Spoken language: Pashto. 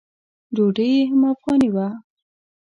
ډوډۍ یې هم افغاني وه.